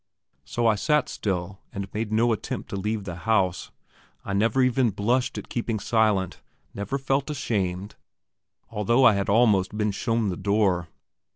So I sat still and made no attempt to leave the house; I never even blushed at keeping silent, never felt ashamed, although I had almost been shown the door.